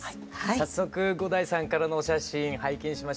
早速伍代さんからのお写真拝見しましょう。